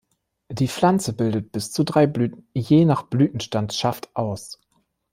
Die Pflanze bildet bis zu drei Blüten je Blütenstandsschaft aus.